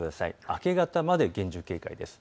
明け方まで厳重警戒です。